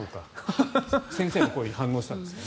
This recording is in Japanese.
先生の声に反応したんですね。